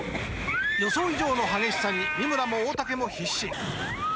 ［予想以上の激しさに三村も大竹も必死］